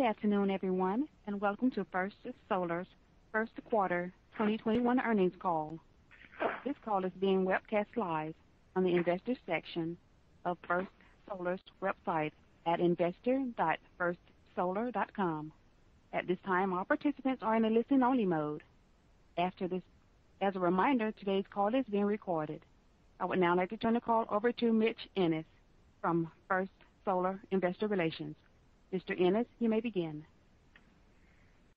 Good afternoon, everyone, and welcome to First Solar's first quarter 2021 earnings call. This call is being webcast live on the Investors section of First Solar's website at investor.firstsolar.com. At this time, all participants are in a listen-only mode. As a reminder, today's call is being recorded. I would now like to turn the call over to Mitch Ennis from First Solar Investor Relations. Mr. Ennis, you may begin.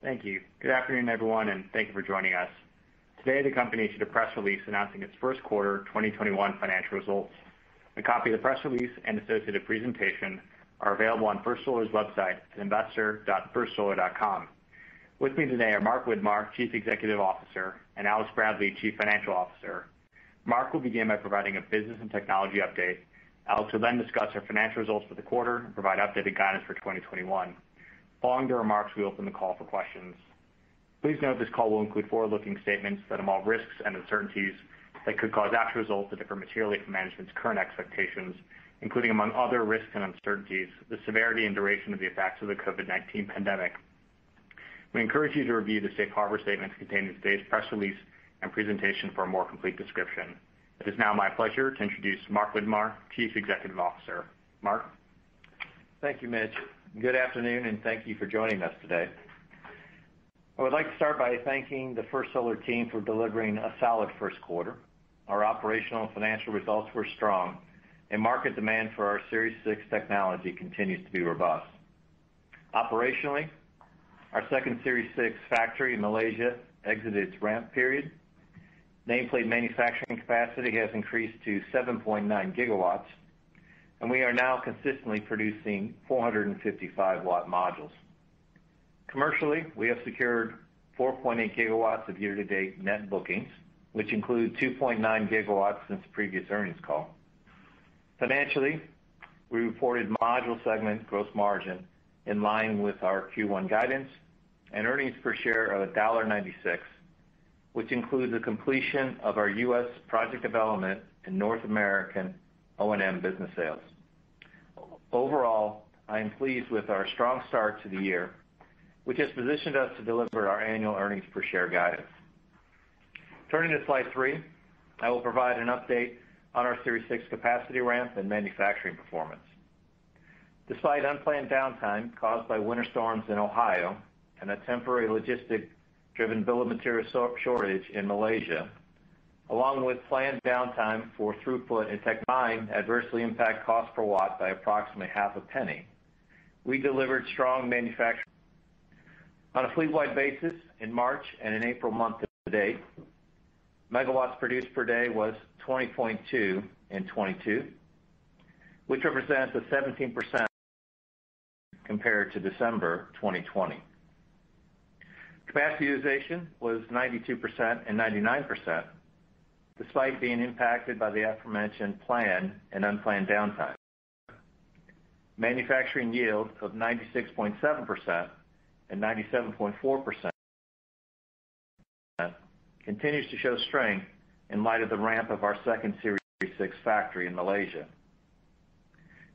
Thank you. Good afternoon, everyone, and thank you for joining us. Today, the company issued a press release announcing its first quarter 2021 financial results. A copy of the press release and associated presentation are available on First Solar's website at investor.firstsolar.com. With me today are Mark Widmar, Chief Executive Officer, and Alex Bradley, Chief Financial Officer. Mark will begin by providing a business and technology update. Alex will then discuss our financial results for the quarter and provide updated guidance for 2021. Following their remarks, we open the call for questions. Please note this call will include forward-looking statements that involve risks and uncertainties that could cause actual results to differ materially from management's current expectations, including, among other risks and uncertainties, the severity and duration of the effects of the COVID-19 pandemic. We encourage you to review the Safe Harbor statements contained in today's press release and presentation for a more complete description. It is now my pleasure to introduce Mark Widmar, Chief Executive Officer. Mark? Thank you, Mitch. Good afternoon, and thank you for joining us today. I would like to start by thanking the First Solar team for delivering a solid first quarter. Our operational and financial results were strong, and market demand for our Series 6 technology continues to be robust. Operationally, our second Series 6 factory in Malaysia exited its ramp period. Nameplate manufacturing capacity has increased to 7.9 GW, and we are now consistently producing 455-watt modules. Commercially, we have secured 4.8 GW of year-to-date net bookings, which include 2.9 GW since the previous earnings call. Financially, we reported module segment gross margin in line with our Q1 guidance and earnings per share of $1.96, which includes the completion of our U.S. project development and North American O&M business sales. Overall, I am pleased with our strong start to the year, which has positioned us to deliver our annual earnings-per-share guidance. Turning to slide three, I will provide an update on our Series 6 capacity ramp and manufacturing performance. Despite unplanned downtime caused by winter storms in Ohio and a temporary logistic-driven bill of material shortage in Malaysia, along with planned downtime for throughput and [tech nine] adversely impact cost per watt by approximately half a penny. On a fleet-wide basis in March and in April month-to-date, megawatts produced per day was 20.2 and 22, which represents a 17% compared to December 2020. Capacity utilization was 92% and 99%, despite being impacted by the aforementioned planned and unplanned downtime. Manufacturing yield of 96.7% and 97.4% continues to show strength in light of the ramp of our second Series 6 factory in Malaysia,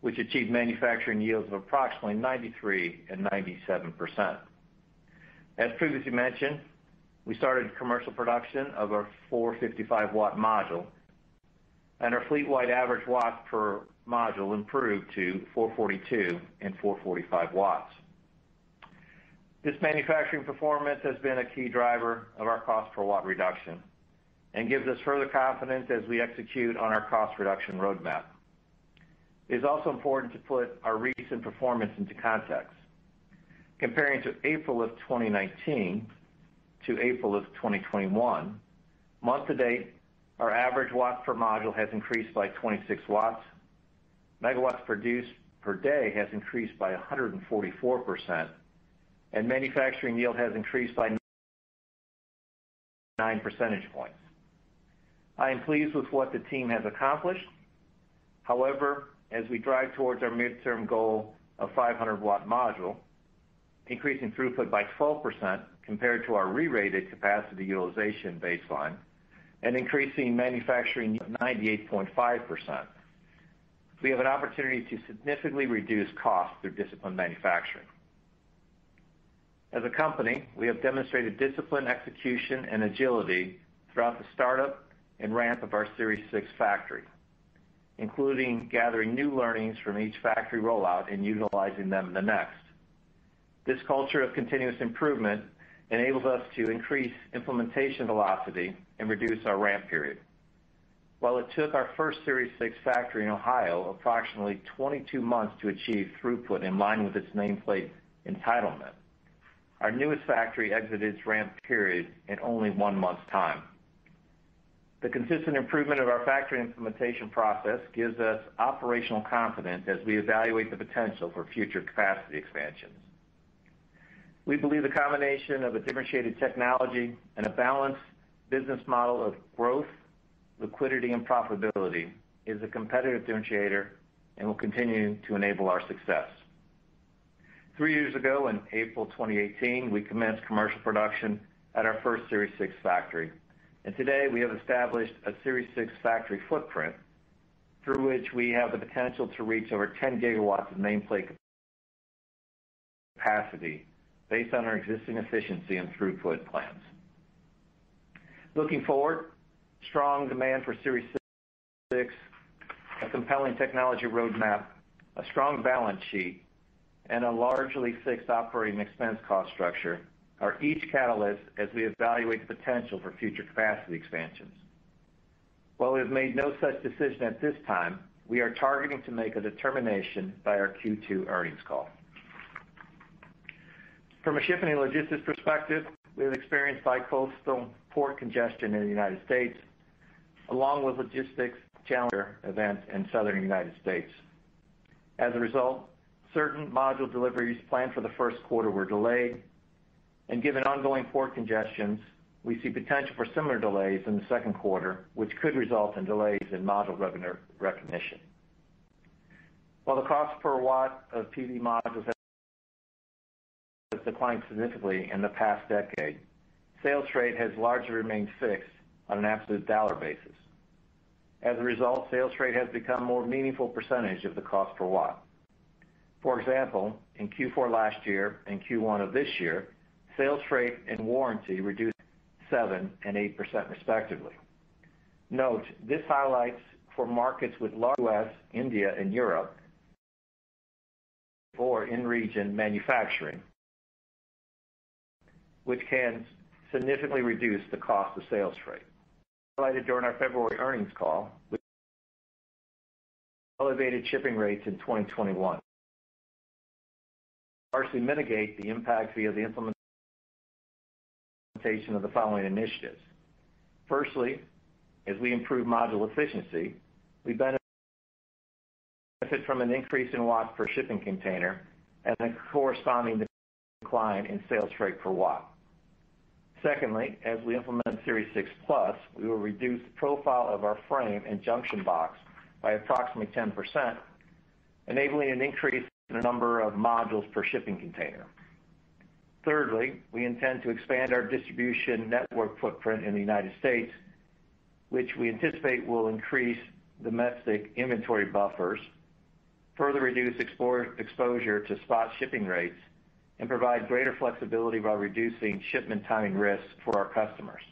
which achieved manufacturing yields of approximately 93% and 97%. As previously mentioned, we started commercial production of our 455-watt module, and our fleet-wide average watts per module improved to 442 and 445 W. This manufacturing performance has been a key driver of our cost per watt reduction and gives us further confidence as we execute on our cost reduction roadmap. It is also important to put our recent performance into context. Comparing April of 2019 to April of 2021, month to date, our average watts per module has increased by 26 W, megawatts produced per day has increased by 144%, and manufacturing yield has increased by nine percentage points. I am pleased with what the team has accomplished. However, as we drive towards our midterm goal of 500-watt module, increasing throughput by 12% compared to our re-rated capacity utilization baseline and increasing manufacturing 98.5%, we have an opportunity to significantly reduce costs through disciplined manufacturing. As a company, we have demonstrated disciplined execution and agility throughout the startup and ramp of our Series 6 factory, including gathering new learnings from each factory rollout and utilizing them in the next. This culture of continuous improvement enables us to increase implementation velocity and reduce our ramp period. While it took our first Series 6 factory in Ohio approximately 22 months to achieve throughput in line with its nameplate entitlement, our newest factory exited its ramp period in only one month's time. The consistent improvement of our factory implementation process gives us operational confidence as we evaluate the potential for future capacity expansions. We believe the combination of a differentiated technology and a balanced business model of growth, liquidity, and profitability is a competitive differentiator and will continue to enable our success. Three years ago, in April 2018, we commenced commercial production at our first Series 6 factory. Today we have established a Series 6 factory footprint, through which we have the potential to reach over 10 GW of capacity based on our existing efficiency and throughput plans. Looking forward, strong demand for Series 6, a compelling technology roadmap, a strong balance sheet, and a largely fixed operating expense cost structure are each catalyst as we evaluate the potential for future capacity expansions. While we have made no such decision at this time, we are targeting to make a determination by our Q2 earnings call. From a shipping and logistics perspective, we have experienced bicoastal port congestion in the U.S., along with logistics challenger events in southern U.S. As a result, certain module deliveries planned for the first quarter were delayed, and given ongoing port congestions, we see potential for similar delays in the second quarter, which could result in delays in module revenue recognition. While the cost per watt of PV modules has declined significantly in the past decade, sales freight has largely remained fixed on an absolute dollar basis. As a result, sales freight has become a more meaningful percentage of the cost per watt. For example, in Q4 last year and Q1 of this year, sales freight and warranty reduced 7% and 8%, respectively. Note, this highlights for markets with large India and Europe or in region manufacturing, which can significantly reduce the cost of sales freight. Provided during our February earnings call, elevated shipping rates in 2021. Partially mitigate the impact via the implementation of the following initiatives. Firstly, as we improve module efficiency, we benefit from an increase in watts per shipping container and a corresponding decline in sales rate per watt. Secondly, as we implement Series 6 Plus, we will reduce the profile of our frame and junction box by approximately 10%, enabling an increase in the number of modules per shipping container. Thirdly, we intend to expand our distribution network footprint in the United States, which we anticipate will increase domestic inventory buffers, further reduce exposure to spot shipping rates, and provide greater flexibility while reducing shipment timing risks for our customers.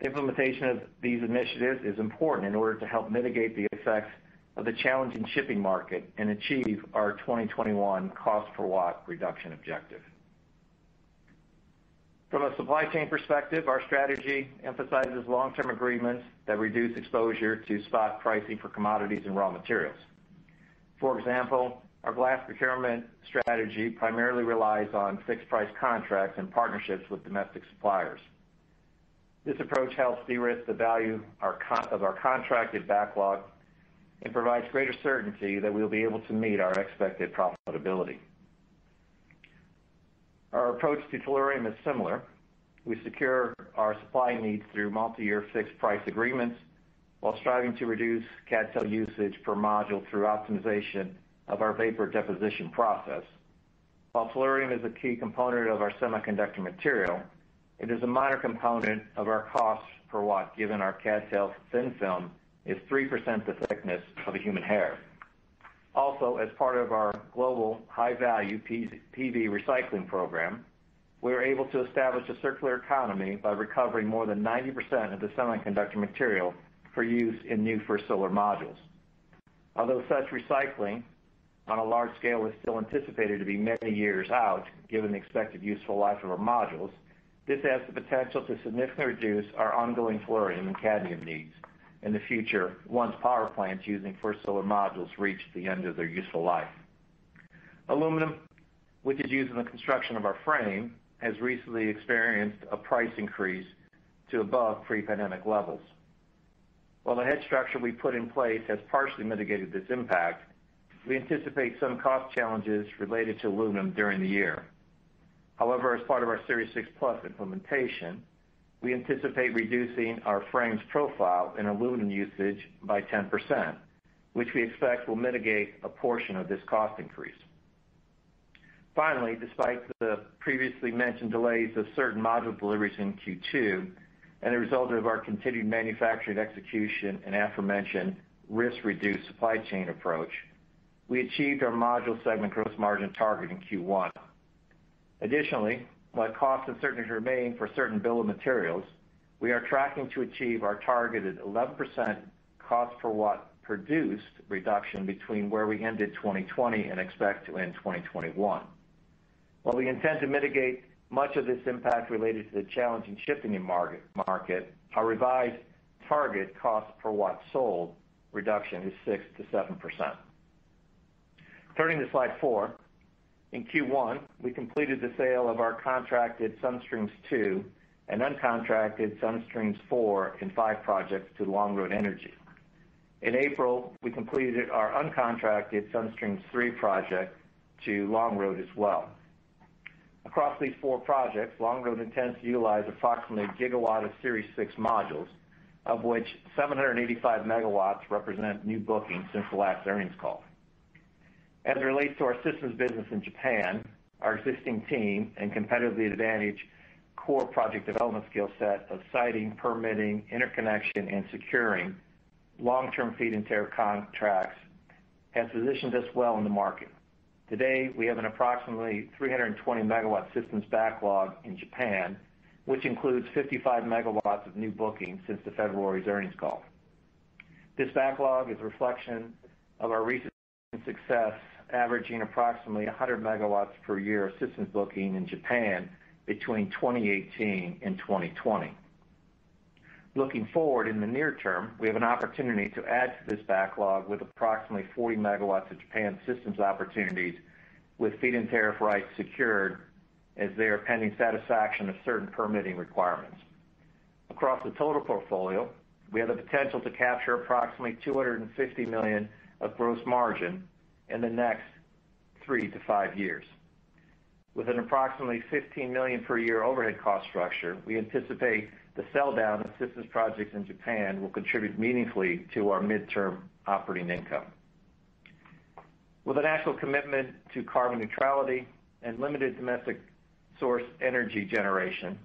The implementation of these initiatives is important in order to help mitigate the effects of the challenging shipping market and achieve our 2021 cost per watt reduction objective. From a supply chain perspective, our strategy emphasizes long-term agreements that reduce exposure to spot pricing for commodities and raw materials. For example, our glass procurement strategy primarily relies on fixed price contracts and partnerships with domestic suppliers. This approach helps de-risk the value of our contracted backlog and provides greater certainty that we'll be able to meet our expected profitability. Our approach to tellurium is similar. We secure our supply needs through multi-year fixed price agreements while striving to reduce CdTe usage per module through optimization of our vapor deposition process. While tellurium is a key component of our semiconductor material, it is a minor component of our cost per watt, given our CdTe thin film is 3% the thickness of a human hair. Also, as part of our global high-value PV recycling program, we are able to establish a circular economy by recovering more than 90% of the semiconductor material for use in new First Solar modules. Although such recycling on a large scale is still anticipated to be many years out, given the expected useful life of our modules, this has the potential to significantly reduce our ongoing tellurium and cadmium needs in the future once power plants using First Solar modules reach the end of their useful life. Aluminum, which is used in the construction of our frame, has recently experienced a price increase to above pre-pandemic levels. While the hedge structure we put in place has partially mitigated this impact, we anticipate some cost challenges related to aluminum during the year. However, as part of our Series 6 Plus implementation, we anticipate reducing our frame's profile and aluminum usage by 10%, which we expect will mitigate a portion of this cost increase. Finally, despite the previously mentioned delays of certain module deliveries in Q2 and a result of our continued manufacturing execution and aforementioned risk-reduced supply chain approach, we achieved our module segment gross margin target in Q1. Additionally, while costs have certainly remained for certain bill of materials, we are tracking to achieve our targeted 11% cost per watt produced reduction between where we ended 2020 and expect to end 2021. While we intend to mitigate much of this impact related to the challenging shipping market, our revised target cost per watt sold reduction is 6%-7%. Turning to slide four. In Q1, we completed the sale of our contracted Sun Streams 2 and uncontracted Sun Streams 4 and Sun Streams 5 projects to Longroad Energy. In April, we completed our uncontracted Sun Streams 3 project to Longroad as well. Across these four projects, Longroad intends to utilize approximately a gigawatt of Series 6 modules, of which 785 MW represent new bookings since the last earnings call. As it relates to our systems business in Japan, our existing team and competitively advantaged core project development skill set of siting, permitting, interconnection, and securing long-term feed-in tariff contracts has positioned us well in the market. Today, we have an approximately 320 MW systems backlog in Japan, which includes 55 MW of new bookings since February's earnings call. This backlog is a reflection of our recent success, averaging approximately 100 MW per year of systems booking in Japan between 2018 and 2020. Looking forward in the near term, we have an opportunity to add to this backlog with approximately 40 MW of Japan systems opportunities with feed-in tariff rights secured as they are pending satisfaction of certain permitting requirements. Across the total portfolio, we have the potential to capture approximately $250 million of gross margin in the next three to five years. With an approximately $15 million per year overhead cost structure, we anticipate the sell-down of systems projects in Japan will contribute meaningfully to our midterm operating income. With a national commitment to carbon neutrality and limited domestic source energy generation,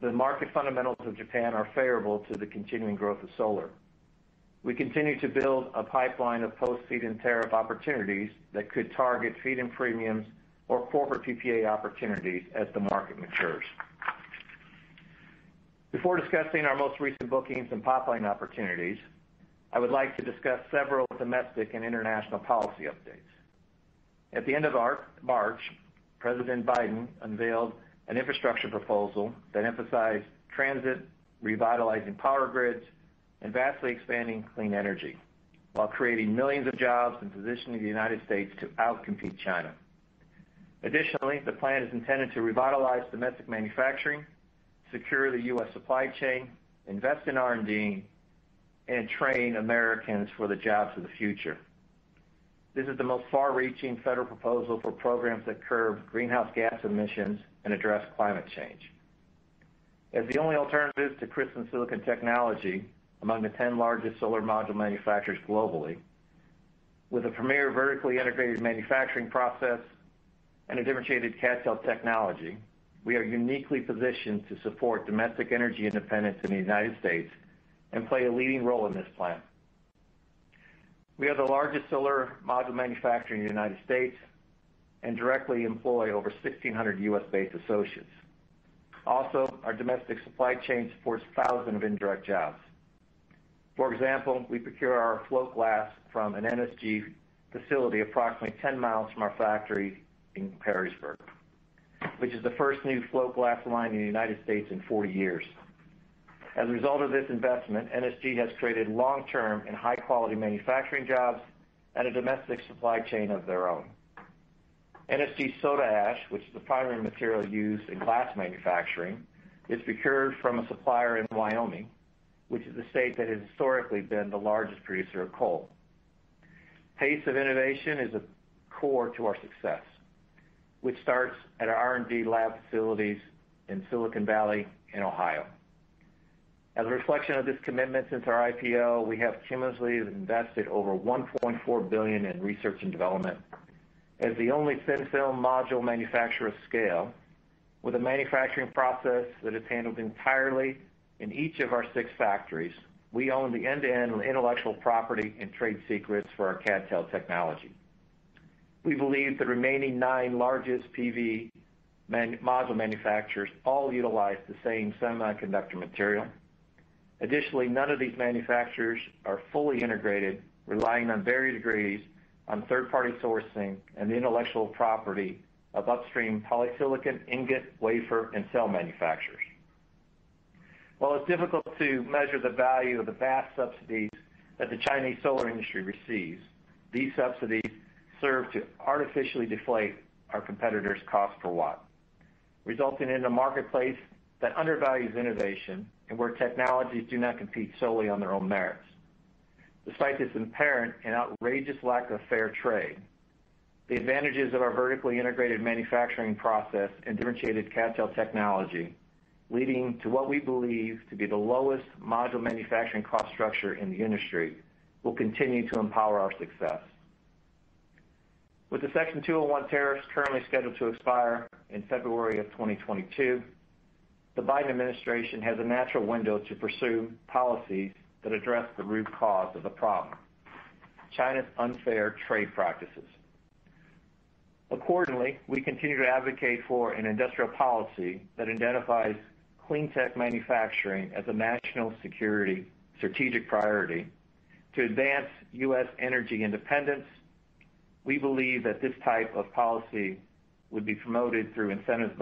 the market fundamentals of Japan are favorable to the continuing growth of solar. We continue to build a pipeline of post-feed-in tariff opportunities that could target feed-in premiums or corporate PPA opportunities as the market matures. Before discussing our most recent bookings and pipeline opportunities, I would like to discuss several domestic and international policy updates. At the end of March, President Biden unveiled an infrastructure proposal that emphasized transit, revitalizing power grids, and vastly expanding clean energy while creating millions of jobs and positioning the United States to out-compete China. Additionally, the plan is intended to revitalize domestic manufacturing, secure the U.S. supply chain, invest in R&D, and train Americans for the jobs of the future. This is the most far-reaching federal proposal for programs that curb greenhouse gas emissions and address climate change. As the only alternative to crystalline silicon technology among the 10 largest solar module manufacturers globally, with a premier vertically integrated manufacturing process and a differentiated CdTe technology, we are uniquely positioned to support domestic energy independence in the United States and play a leading role in this plan. We are the largest solar module manufacturer in the United States and directly employ over 1,600 U.S.-based associates. Also, our domestic supply chain supports thousands of indirect jobs. For example, we procure our float glass from an NSG facility approximately ten miles from our factory in Perrysburg, which is the first new float glass line in the United States in 40 years. As a result of this investment, NSG has created long-term and high-quality manufacturing jobs and a domestic supply chain of their own. NSG soda ash, which is the primary material used in glass manufacturing, is procured from a supplier in Wyoming, which is the state that has historically been the largest producer of coal. Pace of innovation is a core to our success, which starts at our R&D lab facilities in Silicon Valley and Ohio. As a reflection of this commitment since our IPO, we have cumulatively invested over $1.4 billion in research and development. As the only thin-film module manufacturer of scale with a manufacturing process that is handled entirely in each of our six factories, we own the end-to-end intellectual property and trade secrets for our CdTe technology. We believe the remaining nine largest PV module manufacturers all utilize the same semiconductor material. Additionally, none of these manufacturers are fully integrated, relying on varying degrees on third-party sourcing and the intellectual property of upstream polysilicon, ingot, wafer, and cell manufacturers. While it's difficult to measure the value of the vast subsidies that the Chinese solar industry receives, these subsidies serve to artificially deflate our competitors' cost per watt, resulting in a marketplace that undervalues innovation and where technologies do not compete solely on their own merits. Despite this apparent and outrageous lack of fair trade, the advantages of our vertically integrated manufacturing process and differentiated CdTe technology, leading to what we believe to be the lowest module manufacturing cost structure in the industry, will continue to empower our success. With the Section 201 tariffs currently scheduled to expire in February of 2022, the Biden administration has a natural window to pursue policies that address the root cause of the problem, China's unfair trade practices. We continue to advocate for an industrial policy that identifies clean tech manufacturing as a national security strategic priority to advance U.S. energy independence. We believe that this type of policy would be promoted through incentives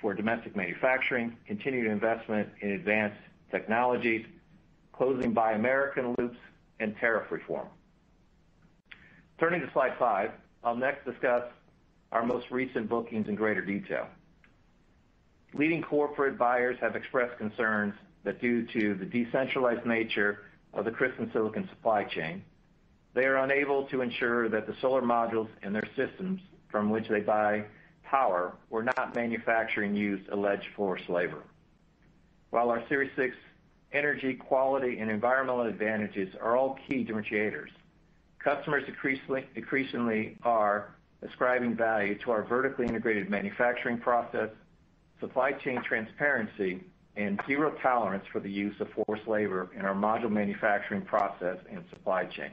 for domestic manufacturing, continued investment in advanced technologies, closing buy American loops, and tariff reform. Turning to slide five. I'll next discuss our most recent bookings in greater detail. Leading corporate buyers have expressed concerns that due to the decentralized nature of the crystalline silicon supply chain, they are unable to ensure that the solar modules and their systems from which they buy power were not manufactured using alleged forced labor. While our Series 6 energy quality and environmental advantages are all key differentiators, customers increasingly are ascribing value to our vertically integrated manufacturing process, supply chain transparency, and zero tolerance for the use of forced labor in our module manufacturing process and supply chain.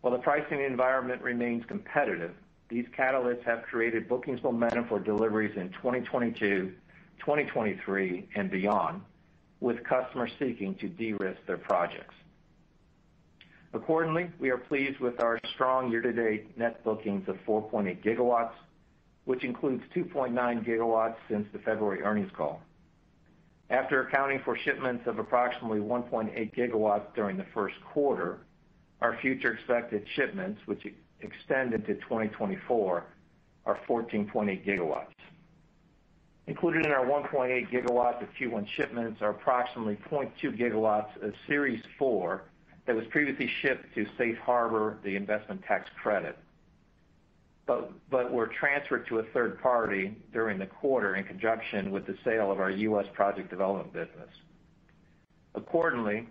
While the pricing environment remains competitive, these catalysts have created bookings momentum for deliveries in 2022, 2023, and beyond, with customers seeking to de-risk their projects. Accordingly, we are pleased with our strong year-to-date net bookings of 4.8 GW, which includes 2.9 GW since the February earnings call. After accounting for shipments of approximately 1.8 GW during the first quarter, our future expected shipments, which extend into 2024, are 14.8 GW. Included in our 1.8 GW of Q1 shipments are approximately 0.2 GW of Series 4 that was previously shipped to safe harbor the investment tax credit, but were transferred to a third party during the quarter in conjunction with the sale of our U.S. project development business. Accordingly,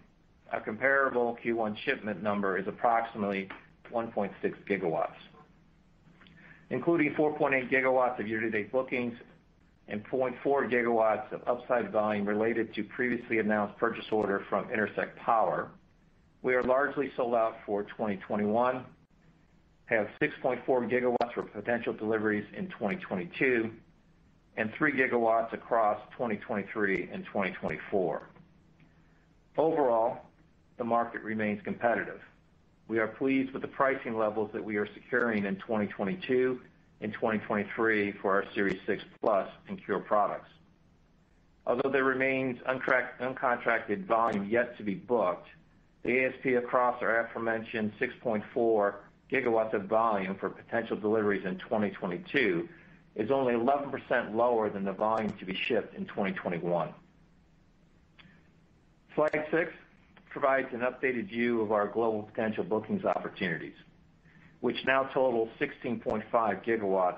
our comparable Q1 shipment number is approximately 1.6 GW. Including 4.8 GW of year-to-date bookings and 4.4 GW of upside volume related to previously announced purchase order from Intersect Power, we are largely sold out for 2021, have 6.4 GW for potential deliveries in 2022, and 3 GW across 2023 and 2024. Overall, the market remains competitive. We are pleased with the pricing levels that we are securing in 2022 and 2023 for our Series 6 Plus and CuRe products. Although there remains uncontracted volume yet to be booked, the ASP across our aforementioned 6.4 GW of volume for potential deliveries in 2022 is only 11% lower than the volume to be shipped in 2021. Slide six provides an updated view of our global potential bookings opportunities, which now total 16.5 GW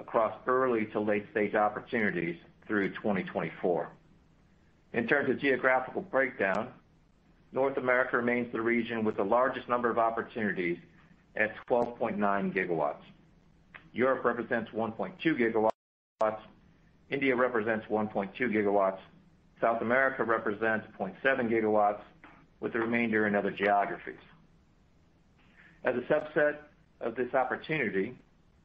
across early to late stage opportunities through 2024. In terms of geographical breakdown, North America remains the region with the largest number of opportunities at 12.9 GW. Europe represents 1.2 GW. India represents 1.2 GW. South America represents 0.7 GW, with the remainder in other geographies. As a subset of this opportunity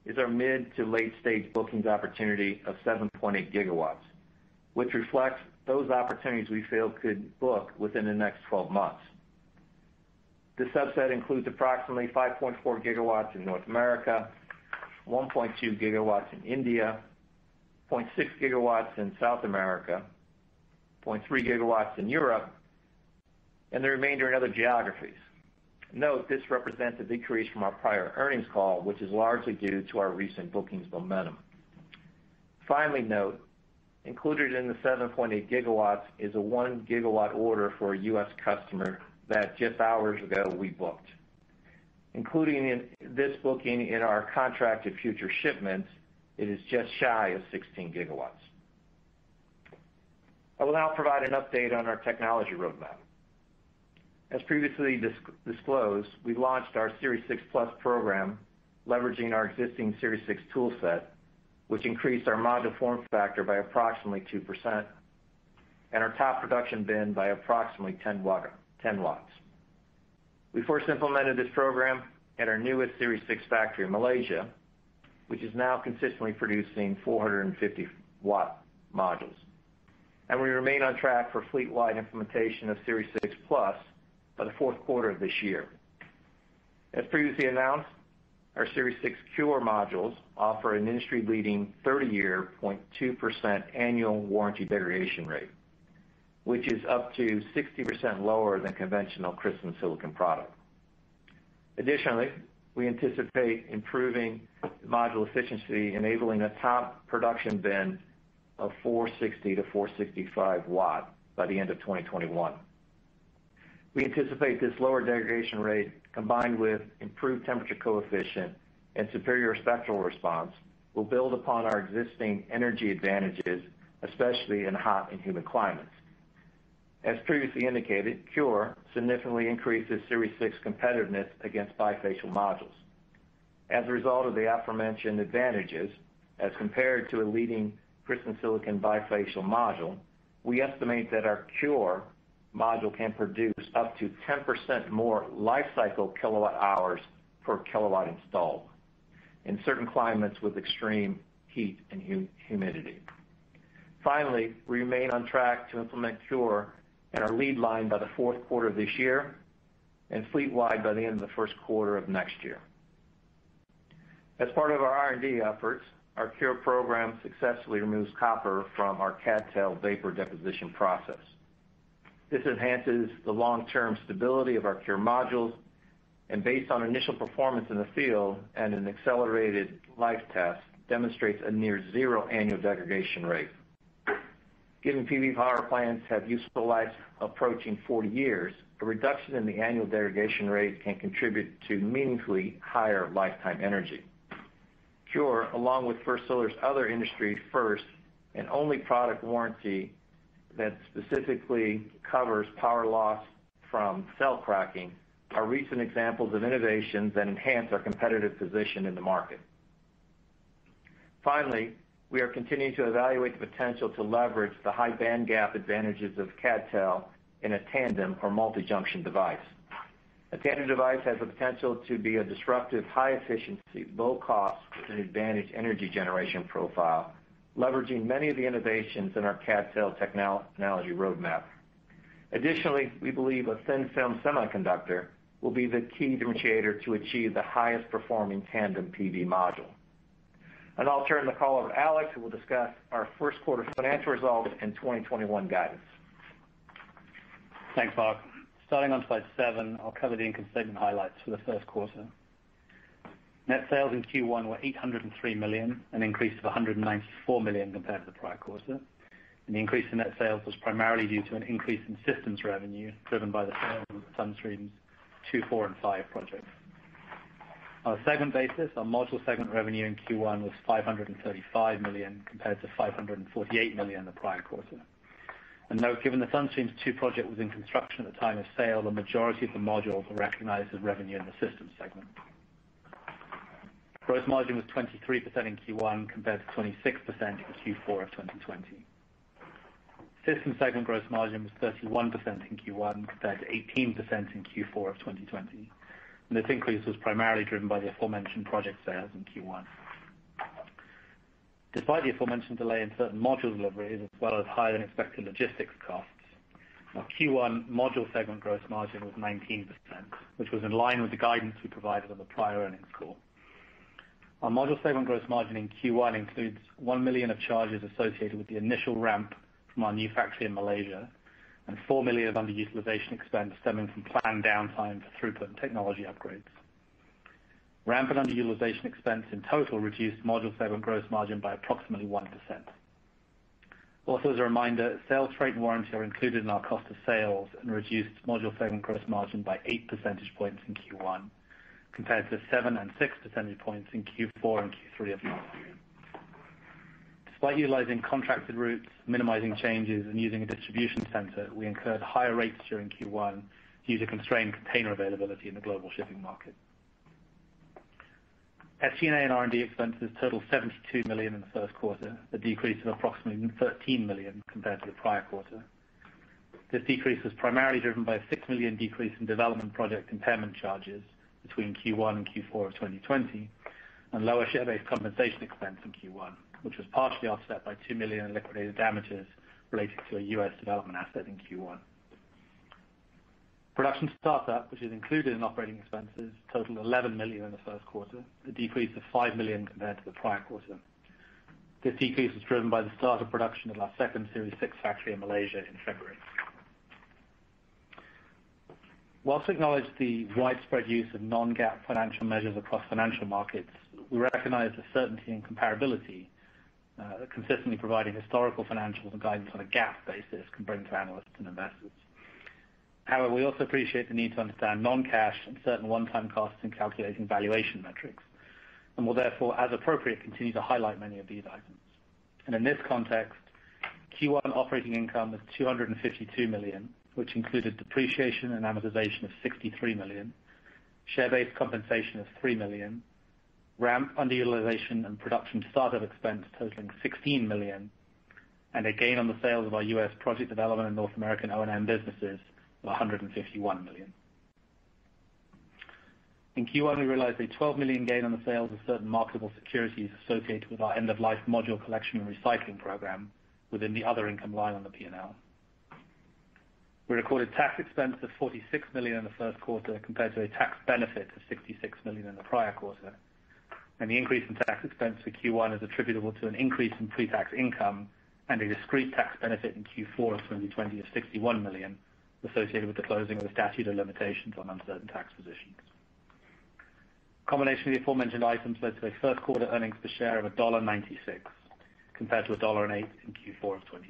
is our mid to late stage bookings opportunity of 7.8 GW, which reflects those opportunities we feel could book within the next 12 months. This subset includes approximately 5.4 GW in North America, 1.2 GW in India, 0.6 GW in South America, 0.3 GW in Europe, and the remainder in other geographies. Note, this represents a decrease from our prior earnings call, which is largely due to our recent bookings momentum. Finally note, included in the 7.8 GW is a 1 GW order for a U.S. customer that just hours ago we booked. Including this booking in our contracted future shipments, it is just shy of 16 GW. I will now provide an update on our technology roadmap. As previously disclosed, we launched our Series 6 Plus program leveraging our existing Series 6 tool set, which increased our module form factor by approximately 2% and our top production bin by approximately 10 W. We first implemented this program at our newest Series 6 factory in Malaysia, which is now consistently producing 450-watt modules. We remain on track for fleet-wide implementation of Series 6 Plus by the fourth quarter of this year. As previously announced, our Series 6 CuRe modules offer an industry-leading 30-year, 0.2% annual warranty degradation rate, which is up to 60% lower than conventional crystalline silicon product. Additionally, we anticipate improving module efficiency, enabling a top production bin of 460-465 W by the end of 2021. We anticipate this lower degradation rate, combined with improved temperature coefficient and superior spectral response, will build upon our existing energy advantages, especially in hot and humid climates. As previously indicated, CuRe significantly increases Series 6 competitiveness against bifacial modules. As a result of the aforementioned advantages, as compared to a leading crystalline silicon bifacial module, we estimate that our CuRe module can produce up to 10% more life cycle kilowatt-hours per kilowatt installed in certain climates with extreme heat and humidity. Finally, we remain on track to implement CuRe in our lead line by the fourth quarter of this year and fleet-wide by the end of the first quarter of next year. As part of our R&D efforts, our CuRe program successfully removes copper from our CdTe vapor deposition process. This enhances the long-term stability of our CuRe modules, and based on initial performance in the field and an accelerated life test, demonstrates a near zero annual degradation rate. Given PV power plants have useful life approaching 40 years, a reduction in the annual degradation rate can contribute to meaningfully higher lifetime energy. CuRe, along with First Solar's other industry first and only product warranty that specifically covers power loss from cell cracking, are recent examples of innovations that enhance our competitive position in the market. We are continuing to evaluate the potential to leverage the high bandgap advantages of CdTe in a tandem or multi-junction device. A tandem device has the potential to be a disruptive, high efficiency, low cost, with an advantaged energy generation profile, leveraging many of the innovations in our CdTe technology roadmap. Additionally, we believe a thin-film semiconductor will be the key differentiator to achieve the highest performing tandem PV module. I'll turn the call over to Alex, who will discuss our first quarter financial results and 2021 guidance. Thanks, Mark. Starting on slide seven, I'll cover the income statement highlights for the first quarter. Net sales in Q1 were $803 million, an increase of $194 million compared to the prior quarter. An increase in net sales was primarily due to an increase in systems revenue, driven by the sale of the Sun Streams two, four, and five projects. On a segment basis, our module segment revenue in Q1 was $535 million compared to $548 million the prior quarter. Note, given the Sun Streams two project was in construction at the time of sale, the majority of the modules were recognized as revenue in the systems segment. Gross margin was 23% in Q1 compared to 26% in Q4 of 2020. Systems segment gross margin was 31% in Q1 compared to 18% in Q4 of 2020. This increase was primarily driven by the aforementioned project sales in Q1. Despite the aforementioned delay in certain module deliveries, as well as higher-than-expected logistics costs, our Q1 module segment gross margin was 19%, which was in line with the guidance we provided on the prior earnings call. Our module segment gross margin in Q1 includes $1 million of charges associated with the initial ramp from our new factory in Malaysia, and $4 million of underutilization expense stemming from planned downtime for throughput and technology upgrades. Ramp and underutilization expense in total reduced module segment gross margin by approximately 1%. Also, as a reminder, sales freight and warranty are included in our cost of sales and reduced module segment gross margin by eight percentage points in Q1, compared to seven and six percentage points in Q4 and Q3 of last year. Despite utilizing contracted routes, minimizing changes, and using a distribution center, we incurred higher rates during Q1 due to constrained container availability in the global shipping market. SG&A and R&D expenses totaled $72 million in the first quarter, a decrease of approximately $13 million compared to the prior quarter. This decrease was primarily driven by a $6 million decrease in development project impairment charges between Q1 and Q4 of 2020, and lower share-based compensation expense in Q1, which was partially offset by $2 million in liquidated damages related to a U.S. development asset in Q1. Production startup, which is included in operating expenses, totaled $11 million in the first quarter, a decrease of $5 million compared to the prior quarter. This decrease was driven by the start of production at our second Series 6 factory in Malaysia in February. Whilst acknowledge the widespread use of non-GAAP financial measures across financial markets, we recognize the certainty and comparability, consistently providing historical financials and guidance on a GAAP basis can bring to analysts and investors. However, we also appreciate the need to understand non-cash and certain one-time costs in calculating valuation metrics, and will therefore, as appropriate, continue to highlight many of these items. In this context, Q1 operating income was $252 million, which included depreciation and amortization of $63 million, share-based compensation of $3 million, ramp underutilization and production startup expense totaling $16 million, and a gain on the sale of our U.S. project development and North American O&M businesses of $151 million. In Q1, we realized a $12 million gain on the sale of certain marketable securities associated with our end-of-life module collection and recycling program within the other income line on the P&L. We recorded tax expense of $46 million in the first quarter compared to a tax benefit of $66 million in the prior quarter. The increase in tax expense for Q1 is attributable to an increase in pre-tax income and a discrete tax benefit in Q4 of 2020 of $61 million associated with the closing of the statute of limitations on uncertain tax positions. Combination of the aforementioned items led to a first quarter earnings per share of $1.96, compared to $1.08 in Q4 of 2020.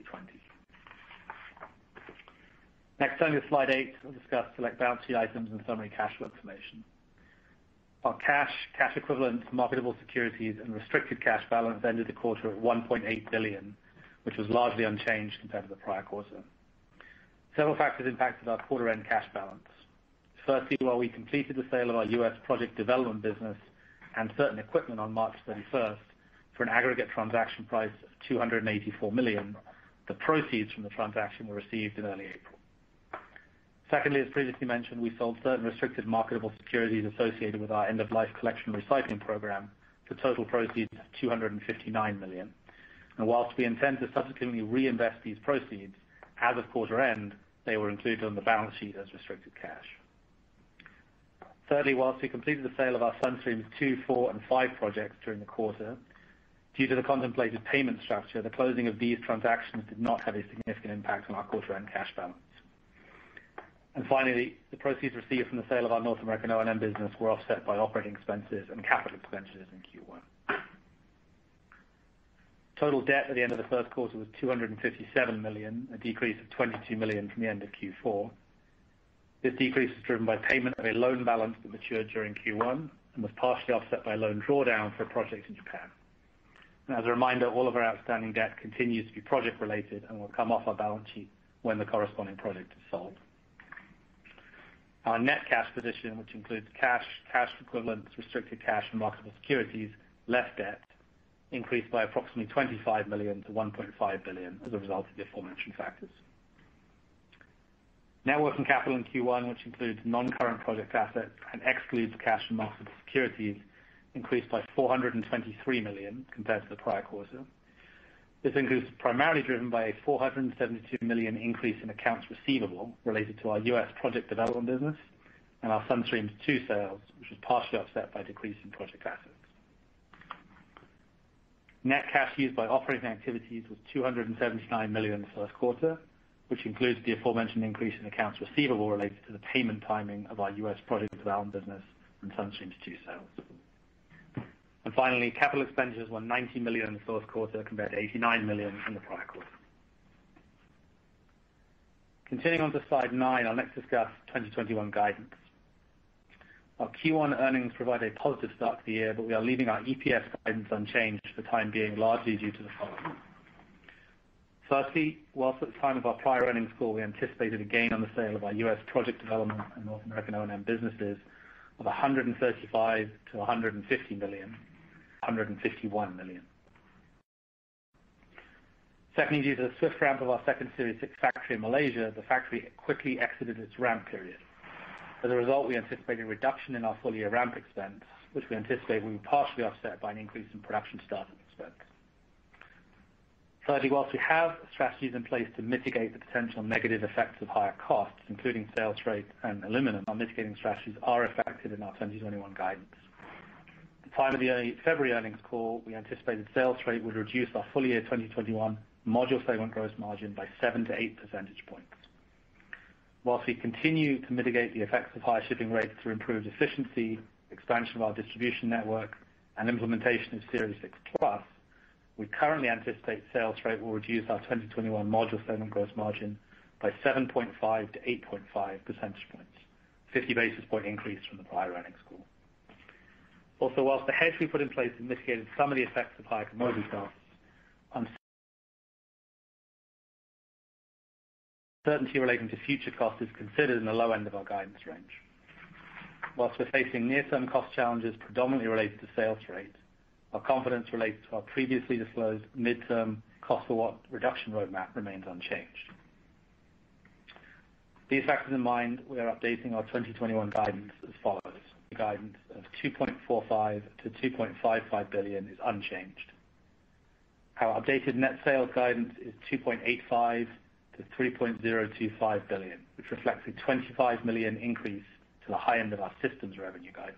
Turning to slide eight, we'll discuss select balance sheet items and summary cash flow information. Our cash equivalents, marketable securities, and restricted cash balance ended the quarter at $1.8 billion, which was largely unchanged compared to the prior quarter. Several factors impacted our quarter-end cash balance. Firstly, while we completed the sale of our U.S. project development business and certain equipment on March 31st for an aggregate transaction price of $284 million, the proceeds from the transaction were received in early April. Secondly, as previously mentioned, we sold certain restricted marketable securities associated with our end-of-life collection and recycling program for total proceeds of $259 million. Whilst we intend to subsequently reinvest these proceeds, as of quarter end, they were included on the balance sheet as restricted cash. Thirdly, whilst we completed the sale of our Sun Streams two, four, and five projects during the quarter, due to the contemplated payment structure, the closing of these transactions did not have a significant impact on our quarter-end cash balance. Finally, the proceeds received from the sale of our North American O&M business were offset by operating expenses and capital expenditures in Q1. Total debt at the end of the first quarter was $257 million, a decrease of $22 million from the end of Q4. This decrease was driven by payment of a loan balance that matured during Q1 and was partially offset by loan drawdown for a project in Japan. As a reminder, all of our outstanding debt continues to be project related and will come off our balance sheet when the corresponding project is sold. Our net cash position, which includes cash equivalents, restricted cash and marketable securities, less debt, increased by approximately $25 million to $1.5 billion as a result of the aforementioned factors. Net working capital in Q1, which includes non-current project assets and excludes cash and marketable securities, increased by $423 million compared to the prior quarter. This increase was primarily driven by a $472 million increase in accounts receivable related to our U.S. project development business and our Sun Streams 2 sales, which was partially offset by decrease in project assets. Net cash used by operating activities was $279 million in the first quarter, which includes the aforementioned increase in accounts receivable related to the payment timing of our U.S. project development business and Sun Streams two sales. Finally, capital expenditures were $90 million in the first quarter compared to $89 million in the prior quarter. Continuing on to slide nine, I'll next discuss 2021 guidance. Our Q1 earnings provide a positive start to the year, but we are leaving our EPS guidance unchanged for the time being, largely due to the following. Firstly, whilst at the time of our prior earnings call, we anticipated a gain on the sale of our U.S. project development and North American O&M businesses of $135 million-$150 million, $151 million. Secondly, due to the swift ramp of our second Series 6 factory in Malaysia, the factory quickly exited its ramp period. As a result, we anticipate a reduction in our full-year ramp expense, which we anticipate will be partially offset by an increase in production startup expense. Thirdly, whilst we have strategies in place to mitigate the potential negative effects of higher costs, including sales freight and aluminum, our mitigating strategies are affected in our 2021 guidance. At the time of the February earnings call, we anticipated sales freight would reduce our full-year 2021 module segment gross margin by 7-8 percentage points. Whilst we continue to mitigate the effects of higher shipping rates through improved efficiency, expansion of our distribution network, and implementation of Series 6 Plus, we currently anticipate sales freight will reduce our 2021 module segment gross margin by 7.5-8.5 percentage points, a 50-basis-point increase from the prior earnings call. Whilst the hedge we put in place has mitigated some of the effects of higher commodity costs, uncertainty relating to future cost is considered in the low end of our guidance range. Whilst we're facing near-term cost challenges predominantly related to sales freight, our confidence related to our previously disclosed midterm cost-watt reduction roadmap remains unchanged. With these factors in mind, we are updating our 2021 guidance as follows. The guidance of $2.45 billion-$2.55 billion is unchanged. Our updated net sales guidance is $2.85 billion-$3.025 billion, which reflects a $25 million increase to the high end of our systems revenue guidance.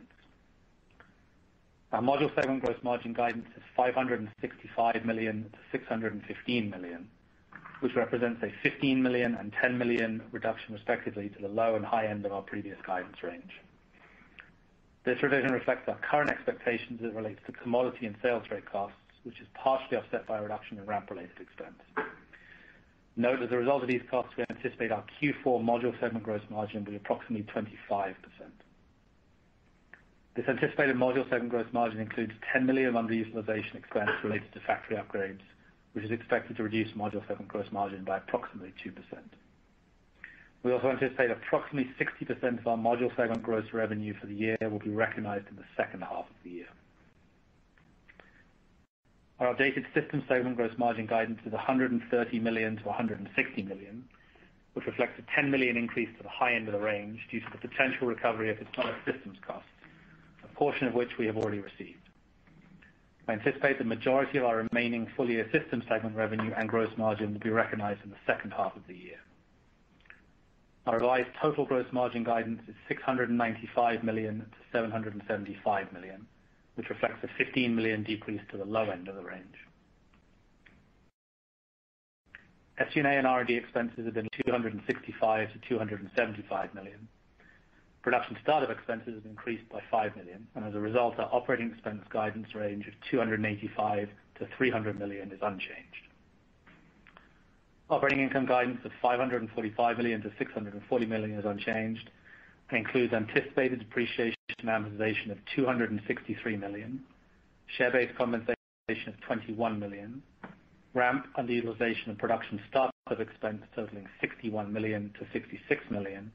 Our module segment gross margin guidance is $565 million-$615 million, which represents a $15 million and $10 million reduction respectively to the low and high end of our previous guidance range. This revision reflects our current expectations as it relates to commodity and sales freight costs, which is partially offset by a reduction in ramp-related expense. Note, as a result of these costs, we anticipate our Q4 module segment gross margin will be approximately 25%. This anticipated module segment gross margin includes $10 million underutilization expense related to factory upgrades, which is expected to reduce module segment gross margin by approximately 2%. We also anticipate approximately 60% of our module segment gross revenue for the year will be recognized in the second half of the year. Our updated systems segment gross margin guidance is $130 million-$160 million, which reflects a $10 million increase to the high end of the range due to the potential recovery of EPC systems costs, a portion of which we have already received. We anticipate the majority of our remaining full-year systems segment revenue and gross margin will be recognized in the second half of the year. Our revised total gross margin guidance is $695 million-$775 million, which reflects a $15 million decrease to the low end of the range. SG&A and R&D expenses have been $265 million-$275 million. Production startup expenses have increased by $5 million, and as a result, our operating expense guidance range of $285 million-$300 million is unchanged. Operating income guidance of $545 million-$640 million is unchanged and includes anticipated depreciation and amortization of $263 million, share-based compensation of $21 million, ramp underutilization and production startup expense totaling $61 million-$66 million,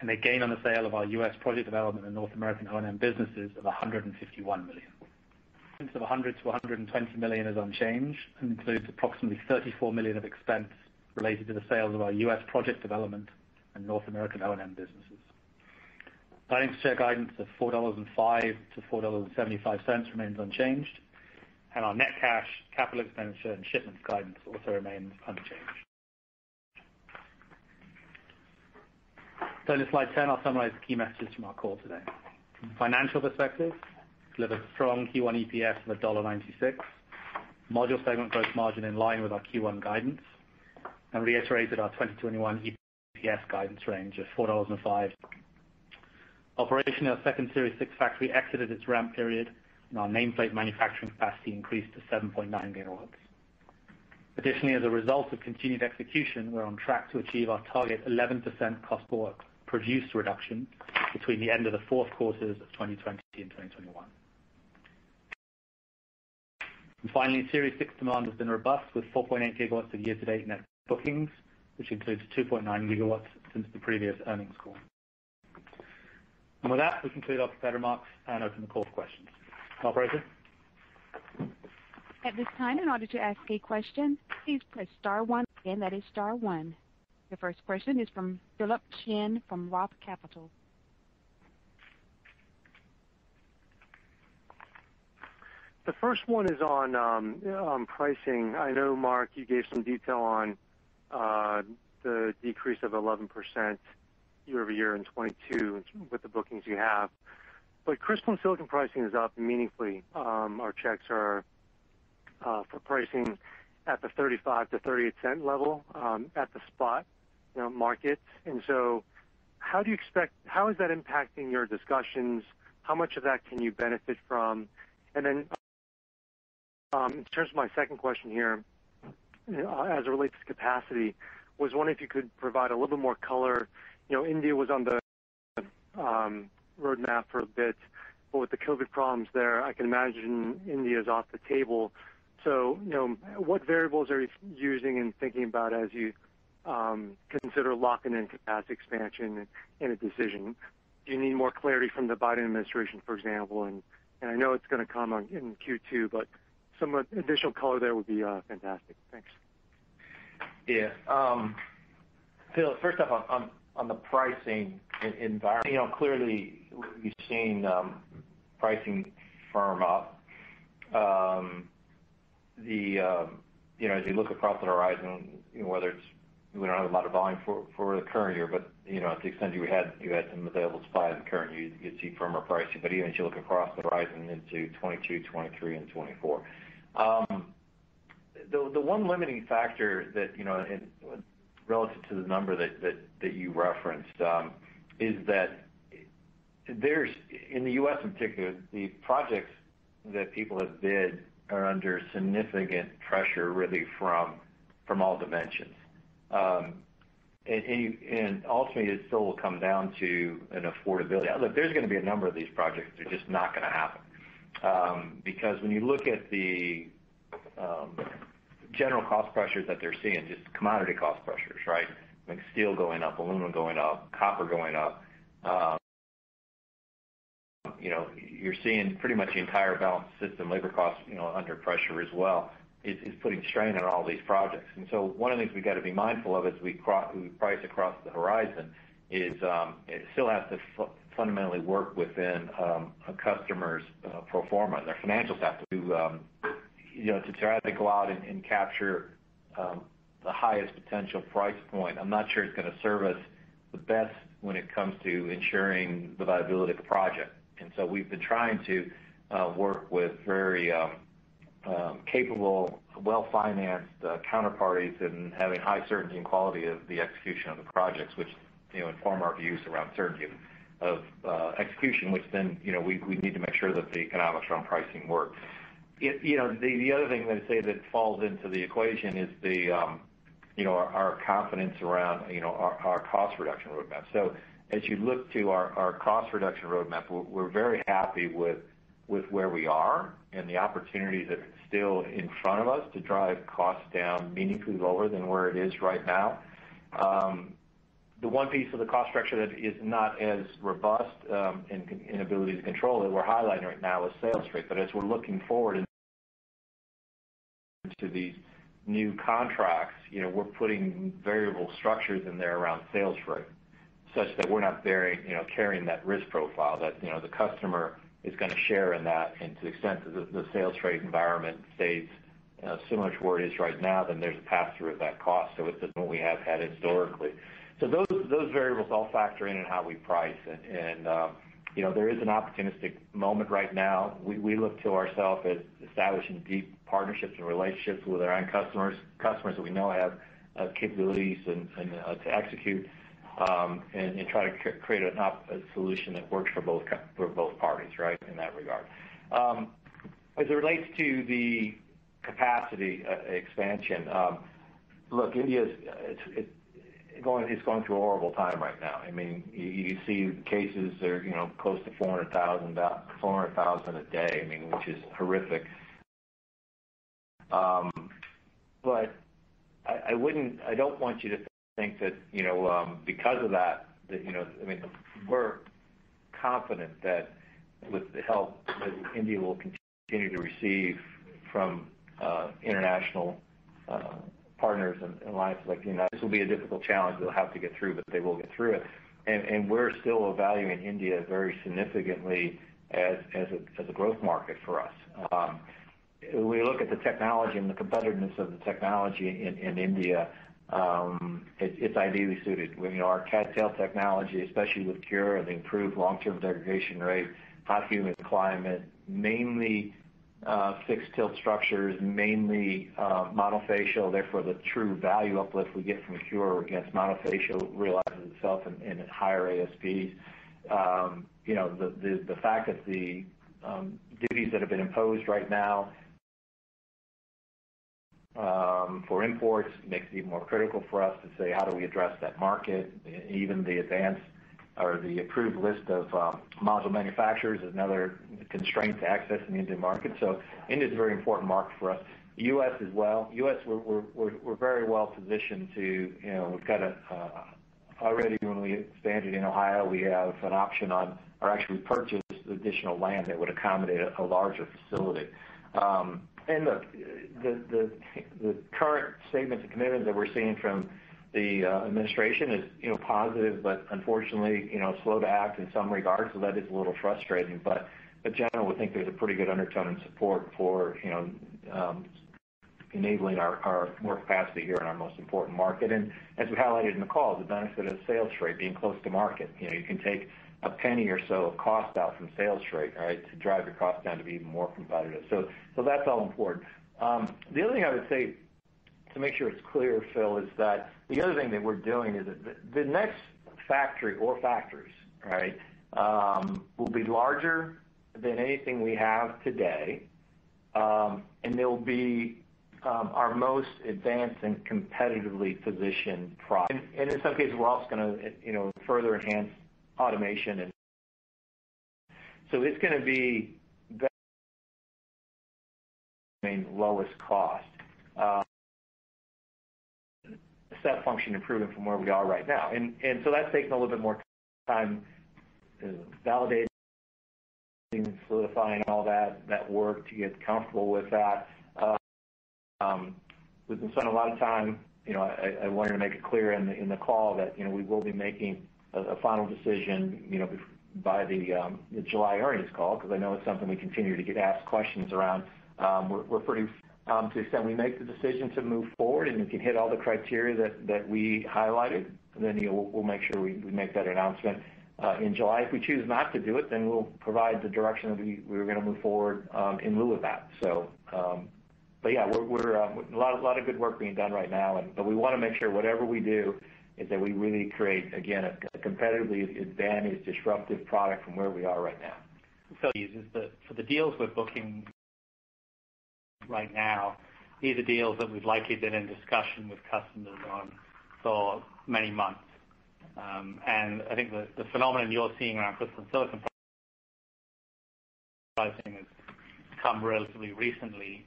and a gain on the sale of our U.S. project development and North American O&M businesses of $151 million. Interest of $100 million-$120 million is unchanged and includes approximately $34 million of expense related to the sale of our U.S. project development and North American O&M businesses. Guidance share of $4.05-$4.75 remains unchanged, and our net cash, capital expenditure, and shipments guidance also remains unchanged. Turning to slide 10, I'll summarize the key messages from our call today. From a financial perspective, we delivered strong Q1 EPS of $1.96, module segment gross margin in line with our Q1 guidance, reiterated our 2021 EPS guidance range of [ $4-$5]. Operation of our second Series 6 factory exited its ramp period, and our nameplate manufacturing capacity increased to 7.9 GW. Additionally, as a result of continued execution, we're on track to achieve our target 11% cost per watt produced reduction between the end of the fourth quarters of 2020 and 2021. Finally, Series 6 demand has been robust with 4.8 GW of year-to-date net bookings, which includes 2.9 GW since the previous earnings call. With that, we conclude our prepared remarks and open the call for questions. Operator? At this time, in order to ask a question, please press star one. Again, that is star one. The first question is from Philip Shen from ROTH Capital. The first one is on pricing. I know, Mark, you gave some detail on the decrease of 11% year-over-year in 2022 with the bookings you have. Crystalline silicon pricing is up meaningfully. Our checks are for pricing at the $0.35-$0.38 level at the spot market. How is that impacting your discussions? How much of that can you benefit from? In terms of my second question here, as it relates to capacity, I was wondering if you could provide a little bit more color. India was on the roadmap for a bit, with the COVID problems there, I can imagine India is off the table. What variables are you using and thinking about as you consider locking in capacity expansion in a decision? Do you need more clarity from the Biden administration, for example? I know it's going to come in Q2, but some additional color there would be fantastic. Thanks. Yeah. Philip Shen, first off on the pricing environment, clearly we've seen pricing firm up. As you look across the horizon, we don't have a lot of volume for the current year, but to the extent you had some available supply in the current year, you'd see firmer pricing. Even as you look across the horizon into 2022, 2023, and 2024. The one limiting factor that, relative to the number that you referenced, is that in the U.S. in particular, the projects that people have bid are under significant pressure, really from all dimensions. Ultimately, it still will come down to an affordability. Look, there's going to be a number of these projects that are just not going to happen. Because when you look at the general cost pressures that they're seeing, just commodity cost pressures, right? Steel going up, aluminum going up, copper going up. You're seeing pretty much the entire balanced system, labor costs under pressure as well, is putting strain on all these projects. One of the things we've got to be mindful of as we price across the horizon is, it still has to fundamentally work within a customer's pro forma. Their financials have to. To try to go out and capture the highest potential price point, I'm not sure it's going to serve us the best when it comes to ensuring the viability of the project. We've been trying to work with very capable, well-financed counterparties and having high certainty and quality of the execution of the projects, which inform our views around certainty of execution, which then we need to make sure that the economics around pricing work. The other thing I'd say that falls into the equation is our confidence around our cost reduction roadmap. As you look to our cost reduction roadmap, we're very happy with where we are and the opportunities that are still in front of us to drive costs down meaningfully lower than where it is right now. The one piece of the cost structure that is not as robust in ability to control that we're highlighting right now is sales freight. As we're looking forward into these new contracts, we're putting variable structures in there around sales freight such that we're not carrying that risk profile, that the customer is going to share in that. To the extent that the sales freight environment stays similar to where it is right now, then there's a pass-through of that cost. It's different than what we have had historically. Those variables all factor in in how we price and there is an opportunistic moment right now. We look to ourself at establishing deep partnerships and relationships with our end customers. Customers that we know have capabilities to execute, and try to create a solution that works for both parties, right? In that regard. As it relates to the capacity expansion, India is going through a horrible time right now. You see cases that are close to 400,000 a day, which is horrific. I don't want you to think that because of that, we're confident that with the help that India will continue to receive from international partners. This will be a difficult challenge they'll have to get through, but they will get through it. We're still valuing India very significantly as a growth market for us. We look at the technology and the competitiveness of the technology in India. It's ideally suited. Our CdTe technology, especially with CuRe and improved long-term degradation rate, hot humid climate, mainly fixed tilt structures, mainly monofacial, therefore the true value uplift we get from CuRe against monofacial realizes itself in higher ASPs. The fact that the duties that have been imposed right now for imports makes it even more critical for us to say, how do we address that market? Even the advance or the approved list of module manufacturers is another constraint to accessing the Indian market. India's a very important market for us. U.S. as well. U.S., we're very well positioned. Already when we expanded in Ohio, we have an option on, or actually purchased additional land that would accommodate a larger facility. Look, the current statements and commitments that we're seeing from the Administration is positive, but unfortunately, slow to act in some regards. That is a little frustrating, but in general, we think there's a pretty good undertone and support for enabling our capacity here in our most important market. As we highlighted in the call, the benefit of sales freight being close to market. You can take $0.01 or so of cost out from sales freight to drive your cost down to be even more competitive. That's all important. The other thing I would say to make sure it's clear, Phil, is that the other thing that we're doing is the next factory or factories will be larger than anything we have today, and they'll be our most advanced and competitively positioned product. In some cases, we're also going to further enhance automation. It's going to be the lowest cost step function improvement from where we are right now. That's taken a little bit more time to validate and solidifying all that work to get comfortable with that. We've been spending a lot of time. I wanted to make it clear in the call that we will be making a final decision by the July earnings call because I know it's something we continue to get asked questions around. We're pretty confident to the extent we make the decision to move forward, and if you hit all the criteria that we highlighted, then we'll make sure we make that announcement in July. If we choose not to do it, then we'll provide the direction that we were going to move forward in lieu of that. A lot of good work being done right now, but we want to make sure whatever we do is that we really create, again, a competitively advantaged, disruptive product from where we are right now. For the deals we're booking right now, these are deals that we've likely been in discussion with customers on for many months. I think the phenomenon you're seeing around crystalline silicon pricing has come relatively recently.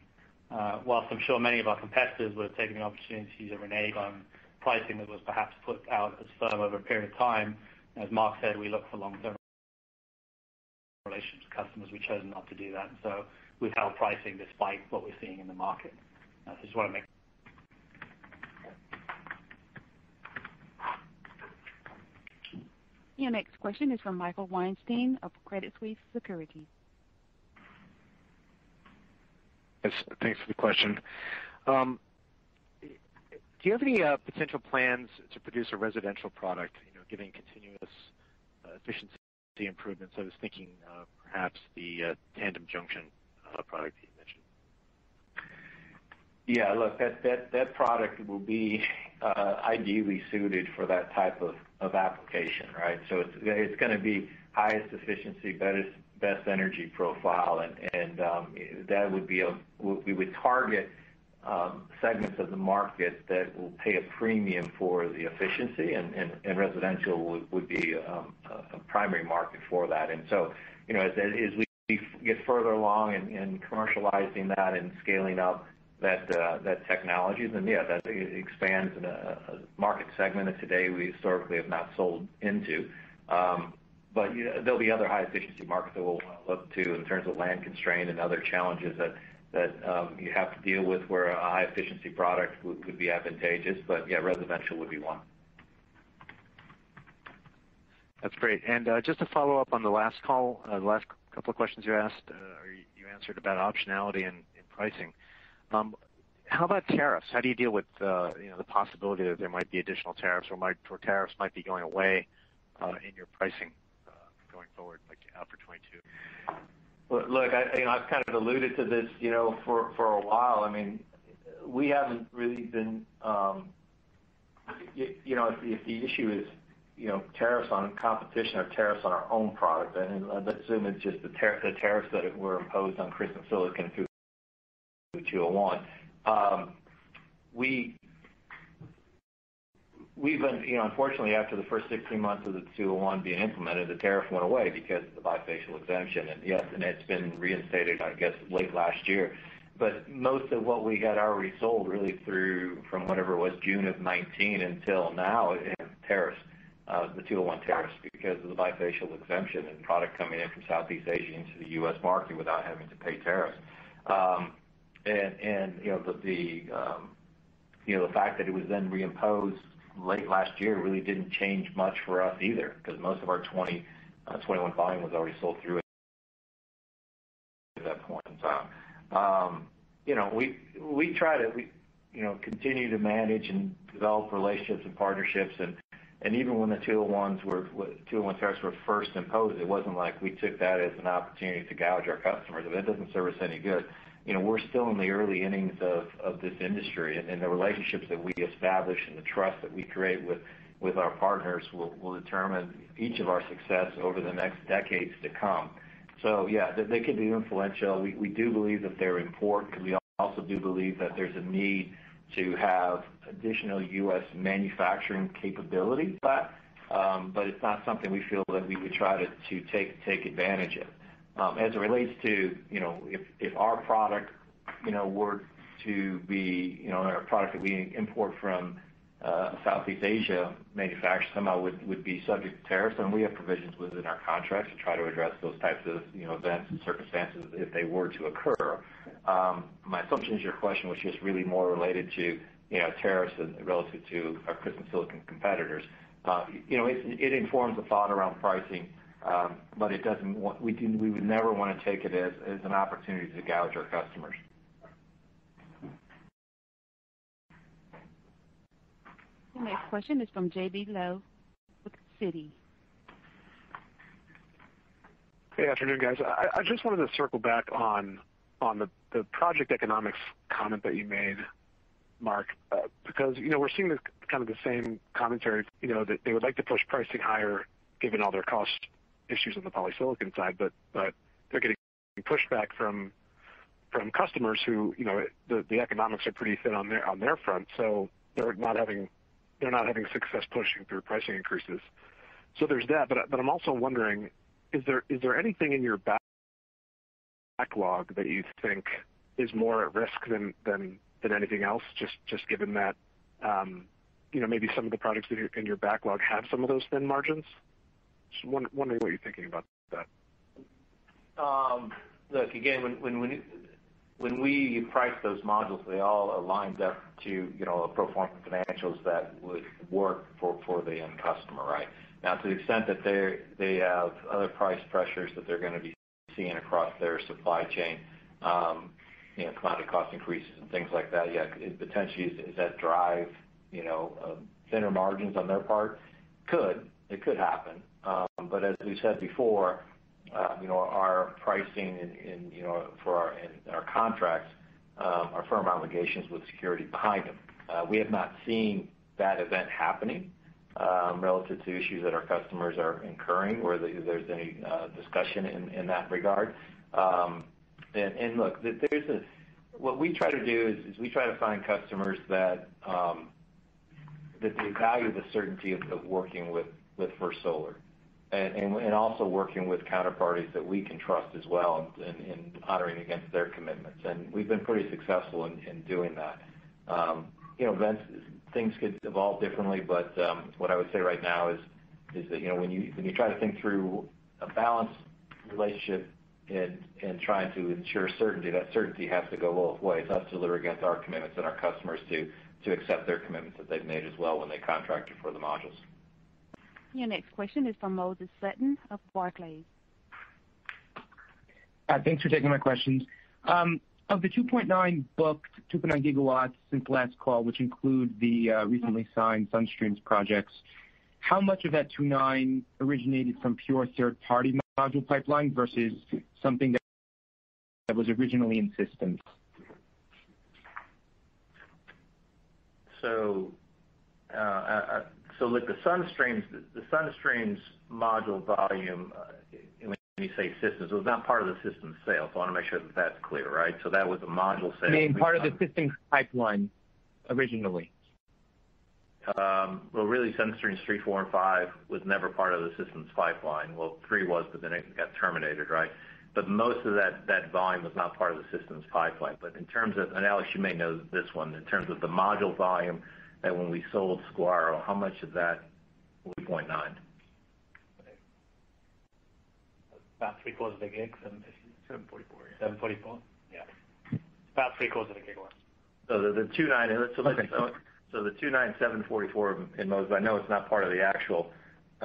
Whilst I'm sure many of our competitors were taking the opportunity to renege on pricing that was perhaps put out as firm over a period of time, as Mark said, we look for long-term relations with customers. We've chosen not to do that. We've held pricing despite what we're seeing in the market. Your next question is from Michael Weinstein of Credit Suisse Securities. Yes, thanks for the question. Do you have any potential plans to produce a residential product, given continuous efficiency improvements? I was thinking perhaps the tandem junction product that you mentioned. Look, that product will be ideally suited for that type of application. It's going to be highest efficiency, best energy profile, and we would target segments of the market that will pay a premium for the efficiency, and residential would be a primary market for that. As we get further along in commercializing that and scaling up that technology, then yeah, that expands in a market segment that today we historically have not sold into. There'll be other high-efficiency markets that we'll look to in terms of land constraint and other challenges that you have to deal with where a high-efficiency product could be advantageous. Residential would be one. That's great. Just to follow up on the last call, the last couple of questions you asked, or you answered about optionality and pricing. How about tariffs? How do you deal with the possibility that there might be additional tariffs or tariffs might be going away in your pricing going forward, like upper 2022? Look, I've kind of alluded to this for a while. If the issue is tariffs on competition or tariffs on our own product, let's assume it's just the tariffs that were imposed on crystalline silicon through 201. Unfortunately, after the first 16 months of the 201 being implemented, the tariff went away because of the bifacial exemption. Yes, it's been reinstated, I guess, late last year. Most of what we had already sold really through from whatever it was, June of 2019 until now in tariffs, the 201 tariffs because of the bifacial exemption and product coming in from Southeast Asia into the U.S. market without having to pay tariffs. The fact that it was then reimposed late last year really didn't change much for us either because most of our 2020, 2021 volume was already sold through at that point in time. We try to continue to manage and develop relationships and partnerships. Even when the Section 201 tariffs were first imposed, it wasn't like we took that as an opportunity to gouge our customers. That doesn't serve us any good. We're still in the early innings of this industry, and the relationships that we establish and the trust that we create with our partners will determine each of our success over the next decades to come. Yeah, they can be influential. We do believe that they're important. We also do believe that there's a need to have additional U.S. manufacturing capability, but it's not something we feel that we would try to take advantage of. As it relates to if our product were to be a product that we import from Southeast Asia manufacture somehow would be subject to tariffs, then we have provisions within our contracts to try to address those types of events and circumstances if they were to occur. My assumption is your question was just really more related to tariffs as relative to our crystalline silicon competitors. It informs the thought around pricing, but we would never want to take it as an opportunity to gouge our customers. The next question is from J.B. Lowe with Citi. Hey, afternoon, guys. I just wanted to circle back on the project economics comment that you made, Mark, because we're seeing the kind of the same commentary, that they would like to push pricing higher given all their cost issues on the polysilicon side, but they're getting pushback from customers who the economics are pretty thin on their front. They're not having success pushing through pricing increases. There's that, but I'm also wondering, is there anything in your backlog that you think is more at risk than anything else, just given that maybe some of the products in your backlog have some of those thin margins? Just wondering what you're thinking about that. Look, again, when we price those modules, they all aligned up to pro forma financials that would work for the end customer, right? To the extent that they have other price pressures that they're going to be seeing across their supply chain, commodity cost increases and things like that, yeah, potentially does that drive thinner margins on their part? Could. It could happen. As we've said before, our pricing and our contracts are firm obligations with security behind them. We have not seen that event happening relative to issues that our customers are incurring or that there's any discussion in that regard. Look, what we try to do is we try to find customers that they value the certainty of working with First Solar and also working with counterparties that we can trust as well in honoring against their commitments. We've been pretty successful in doing that. Things could evolve differently, but what I would say right now is that when you try to think through a balanced relationship and trying to ensure certainty, that certainty has to go both ways. Us delivering against our commitments and our customers to accept their commitments that they've made as well when they contracted for the modules. Your next question is from Moses Sutton of Barclays. Hi, thanks for taking my questions. Of the 2.9 booked, 2.9 GW since last call, which include the recently signed Sun Streams' projects, how much of that 2.9 originated from pure third-party module pipeline versus something that was originally in systems? Look, the Sun Streams' module volume, when you say systems, it was not part of the systems sale, so I want to make sure that that's clear, right? That was a module sale. You mean part of the systems pipeline originally. Well, really, Sun Streams three, four, and five was never part of the systems pipeline. Well, three was, it got terminated, right? Most of that volume was not part of the systems pipeline. Alex, you may know this one. In terms of the module volume that when we sold Saguaro, how much of that 3.9 GW? About three-quarters of a gig. 744, yeah. 744? Yeah. About three-quarters of a gigawatt. The 2.9, 744 in most, but I know it's not part of the actual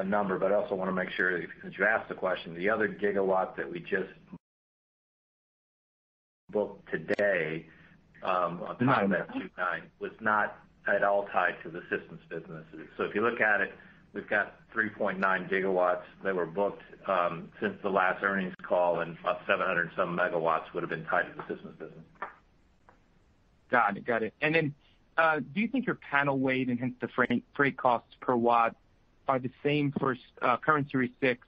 number, but I also want to make sure because you asked the question, the other gigawatt that we just booked today on top of that 2.9 was not at all tied to the systems businesses. If you look at it, we've got 3.9 GW that were booked since the last earnings call, and about 700 and some megawatts would've been tied to the systems business. Got it. Do you think your panel weight and hence the sales freight costs per watt are the same for current Series 6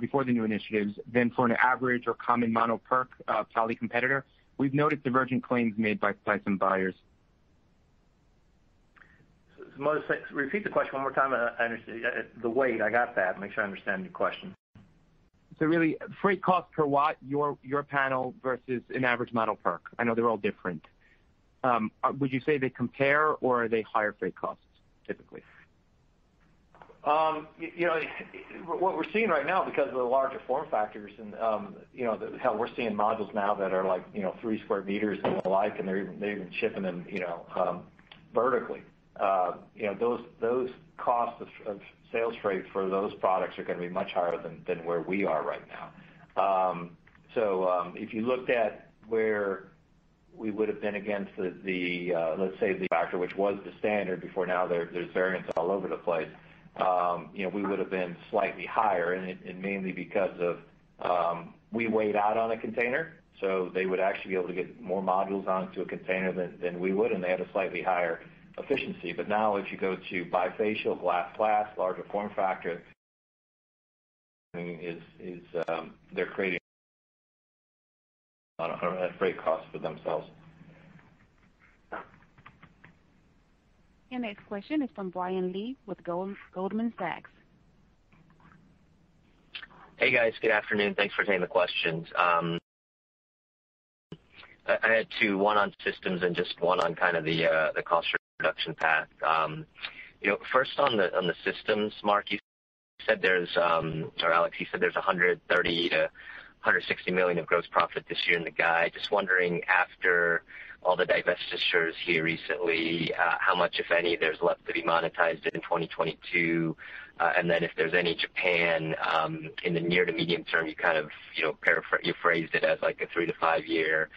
before the new initiatives than for an average or common mono PERC poly competitor? We've noted divergent claims made by some buyers. Moses, repeat the question one more time. The weight, I got that. Make sure I understand your question. Really freight cost per watt, your panel versus an average mono PERC. I know they're all different. Would you say they compare or are they higher freight costs typically? What we're seeing right now because of the larger form factors and how we're seeing modules now that are 3 sq m and the like, and they're even shipping them vertically. Those costs of sales freight for those products are going to be much higher than where we are right now. If you looked at where we would have been against, let's say, the factor, which was the standard, before now there's variants all over the place. We would have been slightly higher, and mainly because of we weighed out on a container, so they would actually be able to get more modules onto a container than we would, and they had a slightly higher efficiency. Now, if you go to bifacial glass, larger form factor is they're creating on a freight cost for themselves. Your next question is from Brian Lee with Goldman Sachs. Hey, guys. Good afternoon. Thanks for taking the questions. I had two, one on systems and just one on the cost reduction path. First, on the systems, Alex, you said there's $130 million to $160 million of gross profit this year in the guide. Just wondering, after all the divestitures here recently, how much, if any, there's left to be monetized in 2022? If there's any Japan in the near to medium term, you phrased it as like a three- to five-year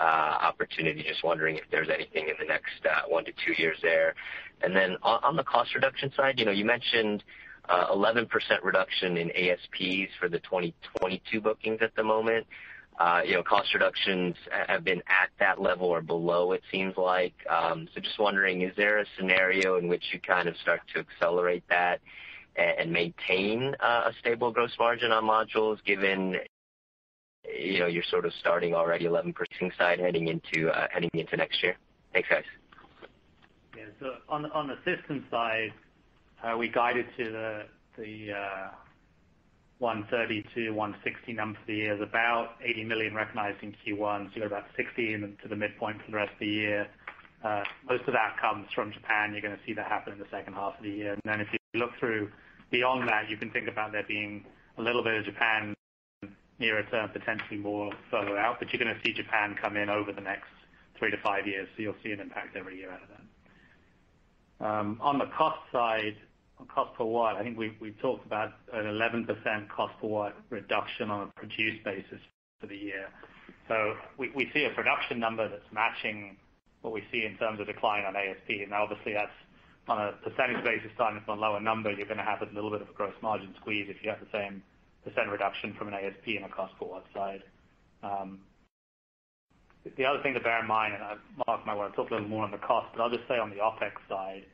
opportunity. Just wondering if there's anything in the next one to two years there. On the cost reduction side, you mentioned 11% reduction in ASPs for the 2022 bookings at the moment. Cost reductions have been at that level or below, it seems like. Just wondering, is there a scenario in which you kind of start to accelerate that and maintain a stable gross margin on modules given you're sort of starting already 11% side heading into heading into next year. Thanks, guys. Yeah. On the system side, we guided to the $130 million-$160 million number for the year is about $80 million recognized in Q1. You're about $60 million to the midpoint for the rest of the year. Most of that comes from Japan. You're going to see that happen in the second half of the year. If you look through beyond that, you can think about there being a little bit of Japan nearer term, potentially more further out. You're going to see Japan come in over the next three to five years. You'll see an impact every year out of that. On the cost side, on cost per watt, I think we talked about an 11% cost per watt reduction on a produced basis for the year. We see a production number that's matching what we see in terms of decline on ASP. Obviously that's on a percentage basis, starting from a lower number, you're going to have a little bit of a gross margin squeeze if you have the same percent reduction from an ASP on a cost per watt side. The other thing to bear in mind, Mark might want to talk a little more on the cost, but I'll just say on the OpEx side,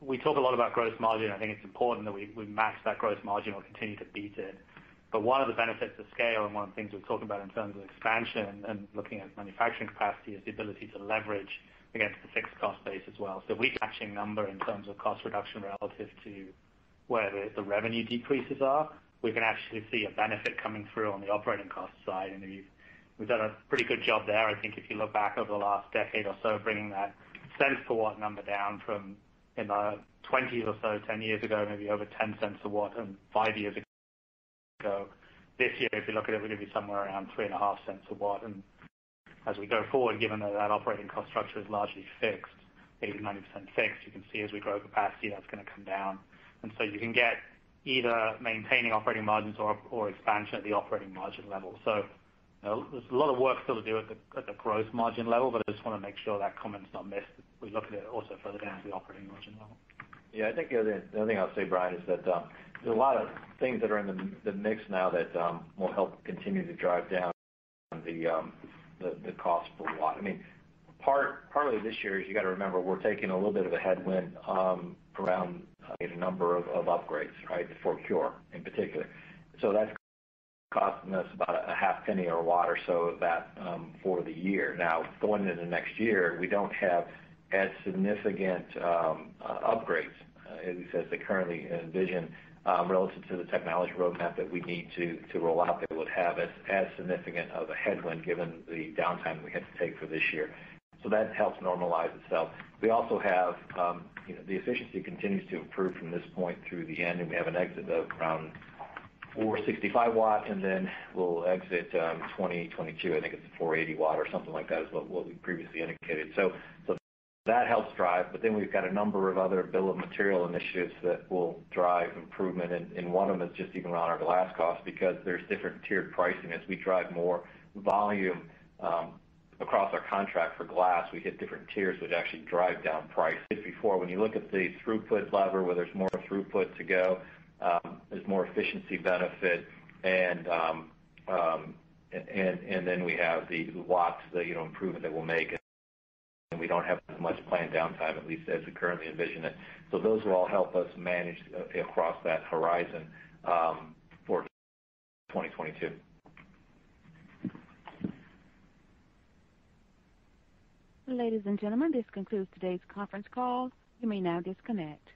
we talk a lot about gross margin. I think it's important that we match that gross margin or continue to beat it. One of the benefits of scale and one of the things we've talked about in terms of expansion and looking at manufacturing capacity is the ability to leverage against the fixed cost base as well. We matching number in terms of cost reduction relative to where the revenue decreases are. We can actually see a benefit coming through on the operating cost side. We've done a pretty good job there, I think, if you look back over the last decade or so, bringing that dollar per watt number down from in the 20s or so 10 years ago, maybe over $0.10 a watt from five years ago. This year, if you look at it, we're going to be somewhere around $0.035 a watt. As we go forward, given that that operating cost structure is largely fixed, 80%-90% fixed, you can see as we grow capacity, that's going to come down. You can get either maintaining operating margins or expansion at the operating margin level. There's a lot of work still to do at the gross margin level, but I just want to make sure that comment's not missed. We look at it also further down to the operating margin level. I think the other thing I'll say, Brian, is that there's a lot of things that are in the mix now that will help continue to drive down the cost per watt. Partly this year, you got to remember, we're taking a little bit of a headwind around a number of upgrades, before CuRe in particular. That's costing us about $0.005 a watt or so for the year. Going into next year, we don't have as significant upgrades, at least as they currently envision, relative to the technology roadmap that we need to roll out that would have as significant of a headwind given the downtime we had to take for this year. That helps normalize itself. We also have the efficiency continues to improve from this point through the end, and we have an exit of around 465 W, and then we'll exit 2022, I think it's 480 W or something like that is what we previously indicated. That helps drive. Then we've got a number of other bill of material initiatives that will drive improvement, and one of them is just even around our glass cost because there's different tiered pricing. As we drive more volume across our contract for glass, we hit different tiers, which actually drive down price. Before, when you look at the throughput lever, where there's more throughput to go, there's more efficiency benefit, and then we have the watts improvement that we'll make, and we don't have as much planned downtime, at least as we currently envision it. Those will all help us manage across that horizon for 2022. Ladies and gentlemen, this concludes today's conference call. You may now disconnect.